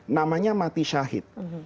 namanya mati syahid